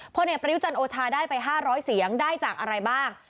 เพราะประยุจรรย์โอชาได้ไปห้าร้อยเสียงได้จากอะไรบ้าง